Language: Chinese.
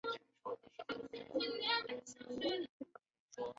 片中的所有演员都是由村庄里的真实人物原生态工作了一年时间。